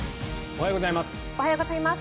おはようございます。